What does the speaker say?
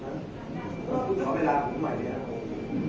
แต่ว่าไม่มีปรากฏว่าถ้าเกิดคนให้ยาที่๓๑